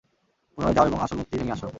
পুনরায় যাও এবং আসল মূর্তি ভেঙ্গে আস।